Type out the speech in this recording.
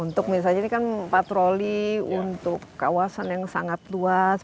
untuk misalnya ini kan patroli untuk kawasan yang sangat luas